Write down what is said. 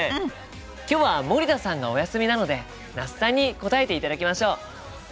今日は森田さんがお休みなので那須さんに答えていただきましょう。